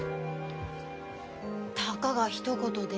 たかがひと言で？